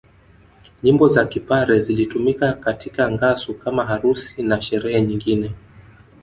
Nyimbo za Kipare zilitumika katika ngasu kama harusi na sherehe nyingine